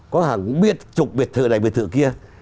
cũng biết trục việt thự này việt thự kia